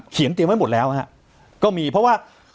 เขียนเตรียมไว้หมดแล้ว